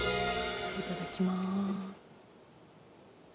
いただきます。